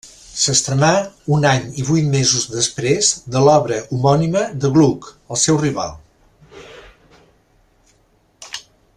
S'estrenà un any i vuit mesos després de l'obra homònima de Gluck, el seu rival.